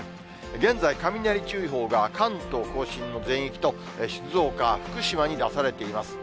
現在、雷注意報が関東甲信の全域と、静岡、福島に出されています。